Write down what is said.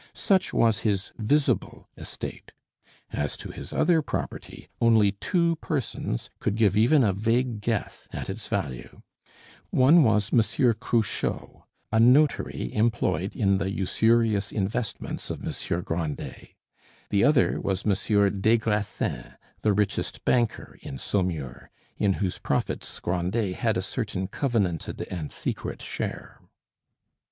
Such was his visible estate; as to his other property, only two persons could give even a vague guess at its value: one was Monsieur Cruchot, a notary employed in the usurious investments of Monsieur Grandet; the other was Monsieur des Grassins, the richest banker in Saumur, in whose profits Grandet had a certain covenanted and secret share.